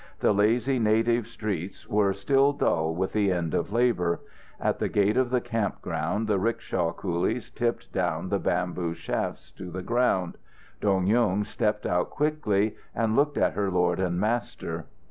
The lazy native streets were still dull with the end of labour. At the gate of the camp ground the rickshaw coolies tipped down the bamboo shafts, to the ground. Dong Yung stepped out quickly, and looked at her lord and master.